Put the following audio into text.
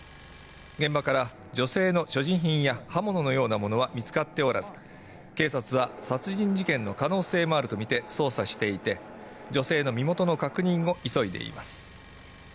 現場から女性の所持品や刃物のようなものは見つかっておらず、警察は殺人事件の可能性もあるとみて捜査していて、女性の身元の確認を急いでいます。